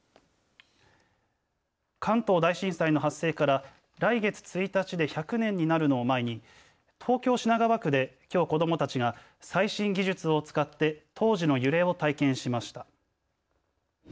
関東大震災の発生から来月１日で１００年になるのを前に東京品川区できょう、子どもたちが最新技術を使って当時の揺れを体験しました。